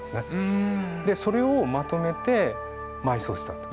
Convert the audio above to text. それをまとめて埋葬したと。